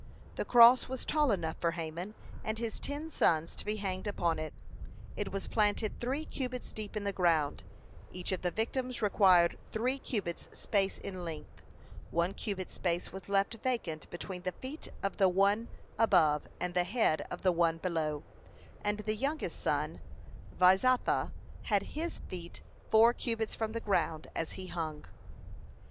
(184) The cross was tall enough for Haman and his ten sons to be hanged upon it. It was planted three cubits deep in the ground, each of the victims required three cubits space in length, one cubit space was left vacant between the feet of the one above and the head of the one below, and the youngest son, Vaizatha, had his feet four cubits from the ground as he hung.